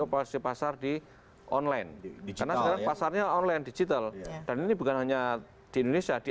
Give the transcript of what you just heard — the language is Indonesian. operasi pasar di online karena sekarang pasarnya online digital dan ini bukan hanya di indonesia di